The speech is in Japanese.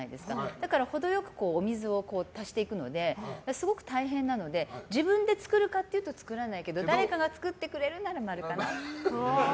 だから、程良くお水を足していくのですごく大変なので自分で作るかっていうと作らないけど誰かが作ってくれるなら○かなって。